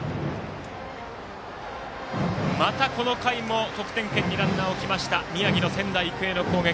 また、この回も得点圏にランナー置きました宮城の仙台育英の攻撃。